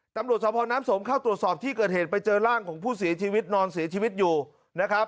ตำรวจสภน้ำสมเข้าตรวจสอบที่เกิดเหตุไปเจอร่างของผู้เสียชีวิตนอนเสียชีวิตอยู่นะครับ